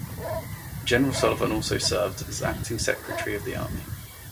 General Sullivan also served as Acting Secretary of the Army.